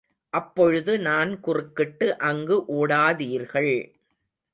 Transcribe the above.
அப்பொழுது நான் குறுக்கிட்டு அங்கு ஓடாதீர்கள்.